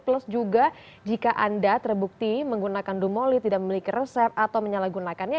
plus juga jika anda terbukti menggunakan dumoli tidak memiliki resep atau menyalahgunakannya